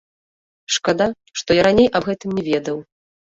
Шкада, што я раней аб гэтым не ведаў.